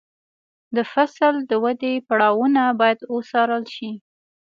د فصل د ودې پړاوونه باید وڅارل شي.